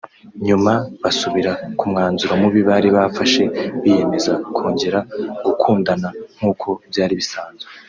nyuma basubira ku mwanzuro mubi bari bafashe biyemeza kongera gukundana nkuko byari bisanzwe